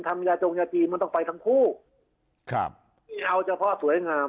ยาจงยาจีนมันต้องไปทั้งคู่ครับที่เอาเฉพาะสวยงาม